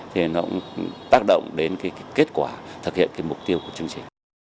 thì nó cũng tác động đến cái kết quả thực hiện cái mục tiêu của chương trình